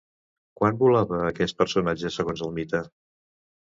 Quan volava aquest personatge, segons el mite?